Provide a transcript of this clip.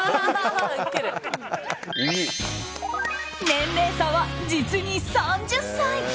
年齢差は実に３０歳！